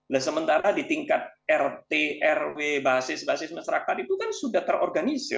nah sementara di tingkat rt rw basis basis masyarakat itu kan sudah terorganisir